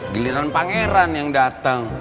giliran pangeran yang dateng